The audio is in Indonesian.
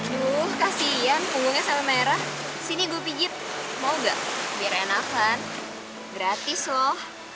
duh kasihan punggungnya sampe merah sini gue pijit mau gak biar enakan gratis loh